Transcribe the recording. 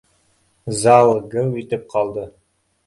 Зал геү итеп ҡалды